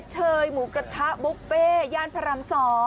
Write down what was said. เชยหมูกระทะบุฟเฟ่ย่านพระราม๒